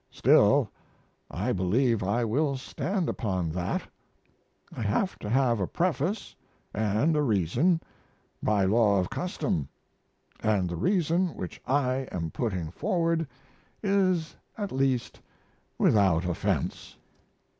Still, I believe I will stand upon that. I have to have a Preface & a reason, by law of custom, & the reason which I am putting forward is at least without offense.